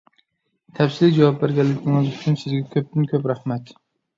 تەپسىلىي جاۋاب بەرگەنلىكىڭىز ئۈچۈن سىزگە كۆپتىن-كۆپ رەھمەت!